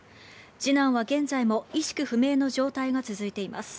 次男は現在も意識不明の状態が続いています。